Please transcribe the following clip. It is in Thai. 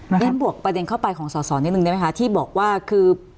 เรียนบวกประเด็นเข้าไปของสอสอนิดนึงได้ไหมคะที่บอกว่าคือ